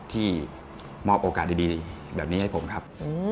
ที่มอบโอกาสดีแบบนี้ให้ผมครับ